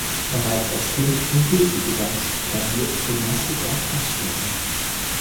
Bereits als Kind erhielt sie Gesangs-, Klavier-, Gymnastik- und Tanzstunden.